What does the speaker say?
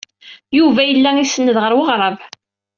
Yuba yella isenned ɣer weɣrab.